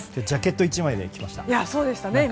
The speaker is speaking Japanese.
ジャケット１枚で来ました。